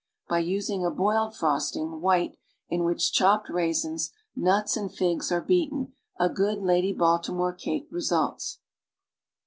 By using a boiled frosting (white) in which chopped raisins, nuts and figs are beaten, a good Lady Baltimore cake results.